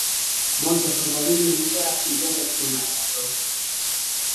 Molto probabilmente era figlia del fiume Ebro.